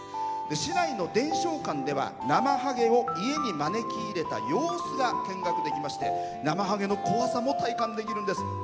市内の伝承館ではナマハゲを家に招き入れた様子が見学できましてナマハゲの怖さも体感できるんです。